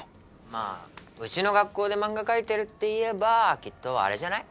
まあうちの学校で漫画描いてるっていえばきっとあれじゃない？